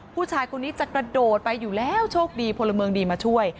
ผู้ชายคนนี้จะกระโดดไปอยู่แล้วโชคดีพลเมืองดีมาช่วย